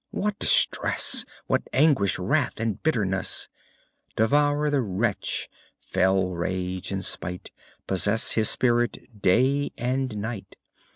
What distress, What anguish, wrath, and bitterness Devour the wretch! fell rage and spite Possess his spirit day and night.